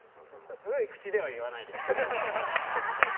それは口では言わないですよ。